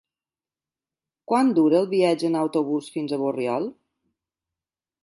Quant dura el viatge en autobús fins a Borriol?